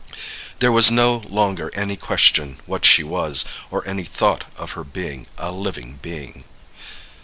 "There was no longer any question what she was, or any thought of her being a living being.